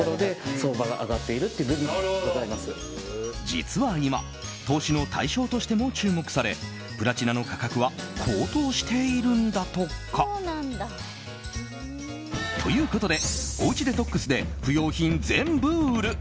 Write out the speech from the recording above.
実は今投資の対象としても注目されプラチナの価格は高騰しているんだとか。ということでおうちデトックスで不要品、全部売る。